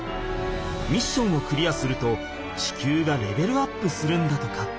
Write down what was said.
ミッションをクリアすると地球がレベルアップするんだとか。